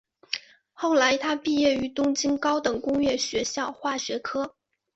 后来他毕业于东京高等工业学校化学科。